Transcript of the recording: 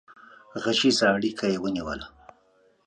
غږيزه اړيکه يې ونيوله